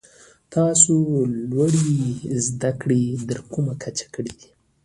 تاسو لوړي زده کړي تر کومه کچه کړي ؟